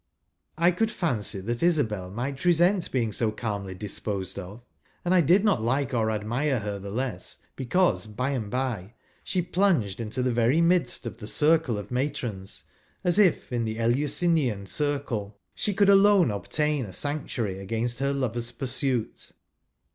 1 could fancy that Isabel might resent being so calmly disposed of, and I did not like or admire her the less because by and bye she plunged into the very midst of the circle of matrons, as if in the Eleuslnian circle she could alone obtain a sanctuary against hex' lover's pursuit.